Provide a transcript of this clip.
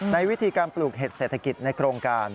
ในวิธีการปลูกเห็ดเศรษฐกิจในโครงการ